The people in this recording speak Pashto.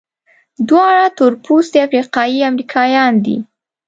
دواړه تورپوستي افریقایي امریکایان دي.